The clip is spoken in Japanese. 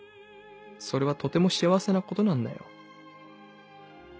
それはとても幸せなことなんだよ」。